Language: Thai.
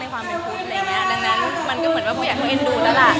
ดังนั้นมันก็เหมือนว่าพวกเขาเอ็นดูแล้วล่ะ